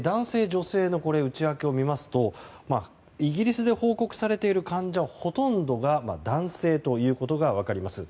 女性の内訳を見ますとイギリスで報告されている患者ほとんどが男性ということが分かります。